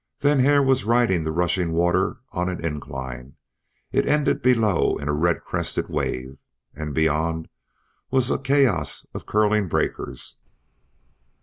Then Hare was riding the rushing water of an incline. It ended below in a red crested wave, and beyond was a chaos of curling breakers.